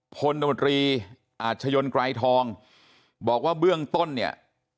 พลตมตรีอาชญนไกรทองบอกว่าเบื้องต้นเนี่ย